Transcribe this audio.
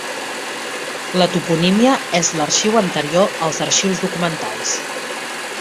La toponímia és l'arxiu anterior als arxius documentals.